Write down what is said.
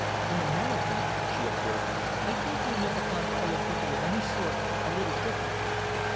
"In America," she observed, "I think we look upon coloured people of any sort a little differently.